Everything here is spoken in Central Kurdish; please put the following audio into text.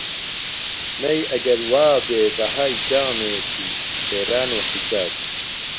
مەی ئەگەر وا بێ بەهای جامێکی، ئێران و حیجاز